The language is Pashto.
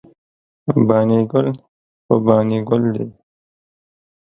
بانی ګل خو بانی ګل داي